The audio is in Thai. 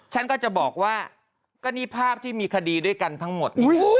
ฉันก็จะบอกว่าก็นี่ภาพที่มีคดีด้วยกันทั้งหมด